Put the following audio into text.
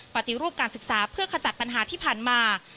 ปฏิรูปการศึกษาเพื่อขจัดปัญหาที่ผ่านมา